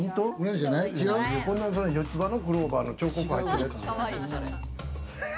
こんな四つ葉のクローバーの彫刻入ってるやつじゃない。